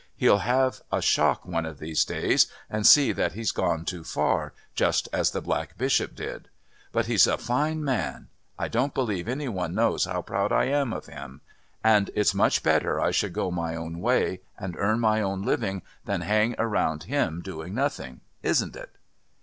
He'll have a shock one of these days and see that he's gone too far, just as the Black Bishop did. But he's a fine man; I don't believe any one knows how proud I am of him. And it's much better I should go my own way and earn my own living than hang around him, doing nothing isn't it?"